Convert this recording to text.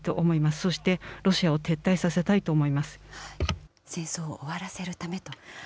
そしてロシアを撤退させたいと思戦争を終わらせるためと。